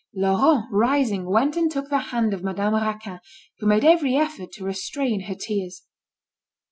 Laurent, rising, went and took the hand of Madame Raquin, who made every effort to restrain her tears.